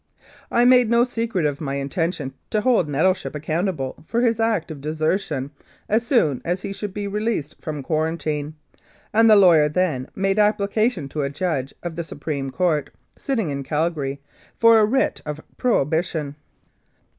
I made no secret of my intention to hold Nettleship accountable for his act of desertion as soon as he should be released from quarantine, and the lawyer then made application to a judge of the Supreme Court, sitting in Calgary, for a Writ of Prohibition.